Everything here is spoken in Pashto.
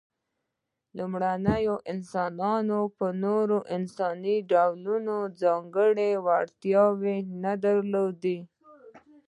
لومړنيو انسانانو په نورو انساني ډولونو کې ځانګړې وړتیا نه درلودلې.